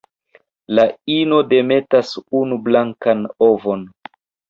La ino demetas unu blankan ovon.